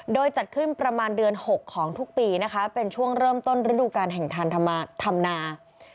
โดยจัดขึ้นประมาณเดือน๖ของทุกปีนะคะเป็นช่วงเริ่มต้นฤดูการแห่งทันธรรมนา